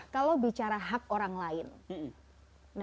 kalau bicara hak orang lain